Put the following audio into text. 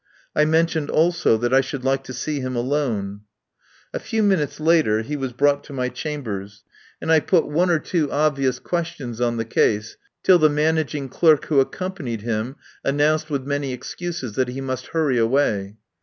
I mentioned also that I should like to see him alone. A few minutes later he was brought to my chambers, and I put one or two 95 THE POWER HOUSE obvious questions on the case, till the man aging clerk who accompanied him announced with many excuses that he must hurry away.